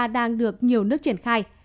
đang được nhiều nước triển khai